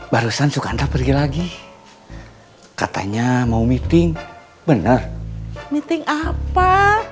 barusan suka anda pergi lagi katanya mau meeting bener meeting apa